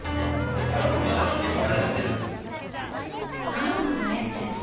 アロマのエッセンス？